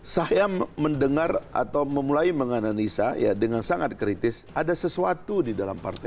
saya mendengar atau memulai menganalisa ya dengan sangat kritis ada sesuatu di dalam partai